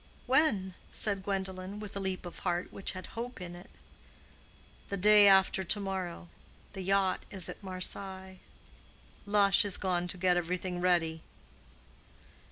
"When?" said Gwendolen, with a leap of heart which had hope in it. "The day after to morrow. The yacht is at Marseilles. Lush is gone to get everything ready."